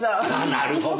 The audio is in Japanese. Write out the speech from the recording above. なるほど。